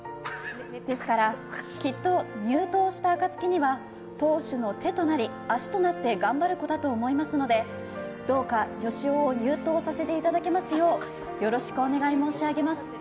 ですから、きっと入党した暁には党首の手となり足となって頑張る子だと思いますのでどうか、よしおを入党させていただけますようよろしくお願い申し上げます。